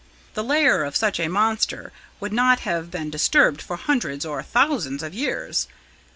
The lair of such a monster would not have been disturbed for hundreds or thousands of years.